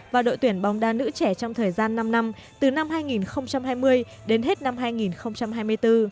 và đội tuyển bóng đá nữ trẻ trong thời gian năm năm từ năm hai nghìn hai mươi đến hết năm hai nghìn hai mươi bốn